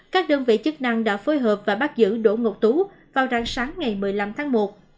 các đơn vị chức năng đã phối hợp và bắt giữ đỗ ngọc tú vào rạng sáng ngày một mươi năm tháng một